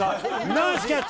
ナイスキャッチ！